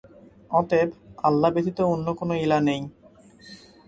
অতএব, আল্লাহ ব্যতীত অন্য কোন ইলাহ নেই।